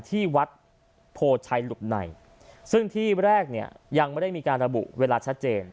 ที่วัดโพชัยหลุบในซึ่งที่แรกเนี่ยยังไม่ได้มีการระบุเวลาชัดเจน